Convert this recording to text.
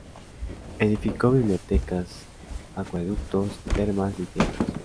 Edificó bibliotecas, acueductos, termas, y teatros.